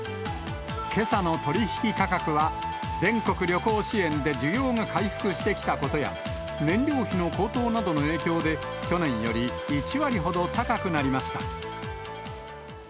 けさの取り引き価格は、全国旅行支援で需要が回復してきたことや、燃料費の高騰などの影響で、去年より１割ほど高くなりました。